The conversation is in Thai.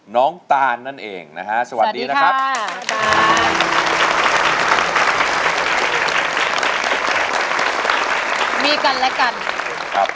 ตานนั่นเองนะฮะสวัสดีนะครับ